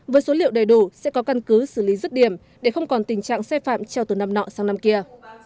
với số liệu đầy đủ sẽ có căn cứ xử lý rứt điểm để không còn tình trạng xe phạm treo từ năm nọ sang năm kia